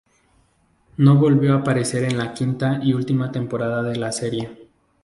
No volvió a aparecer en la quinta y última temporada de la serie.